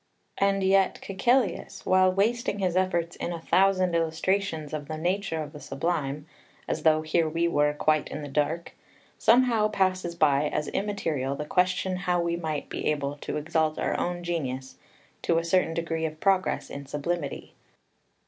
And yet Caecilius, while wasting his efforts in a thousand illustrations of the nature of the Sublime, as though here we were quite in the dark, somehow passes by as immaterial the question how we might be able to exalt our own genius to a certain degree of progress in sublimity.